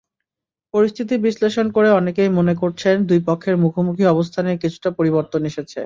পরিস্থিতি বিশ্লেষণ করে অনেকেই মনে করছেন, দুই পক্ষের মুখোমুখি অবস্থানে কিছুটা পরিবর্তন এসেছে।